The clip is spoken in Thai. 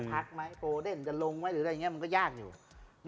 พักไหมโปรเดนจะลงไหมหรืออะไรอย่างนี้มันก็ยากอยู่